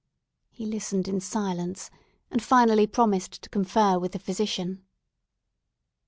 He listened in silence, and finally promised to confer with the physician.